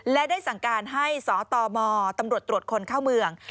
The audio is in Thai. และได้สั่งการให้สตมตำรวจตรวจคนเข้าเมือง